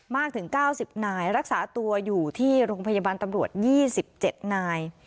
ถึง๙๐นายรักษาตัวอยู่ที่โรงพยาบาลตำรวจ๒๗นาย